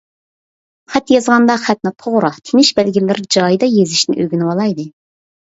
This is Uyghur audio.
خەت يازغاندا خەتنى توغرا، تىنىش بەلگىلىرى جايىدا يېزىشنى ئۆگىنىۋالايلى!